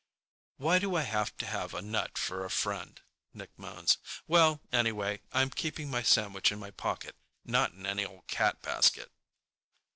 "Why do I have to have a nut for a friend?" Nick moans. "Well, anyway, I'm keeping my sandwich in my pocket, not in any old cat basket."